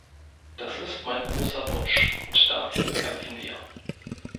Das ist mein großer Wunsch, und dafür kämpfen wir.